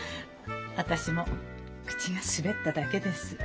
私も口が滑っただけです。